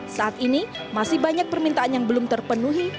saat ini masih banyak permintaan yang belum terpenuhi